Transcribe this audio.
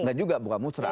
enggak juga bukan musrah